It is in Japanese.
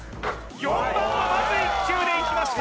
４番はまず１球でいきました